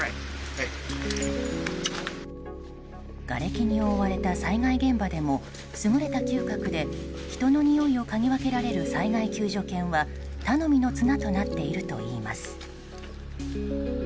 がれきに覆われた災害現場でも優れた嗅覚で人のにおいをかぎ分けられる災害救助犬は頼みの綱となっているといいます。